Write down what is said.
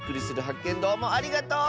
けんどうもありがとう！